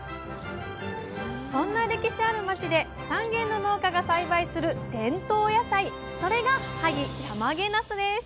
そんな歴史ある町で３軒の農家が栽培する伝統野菜それが萩たまげなすです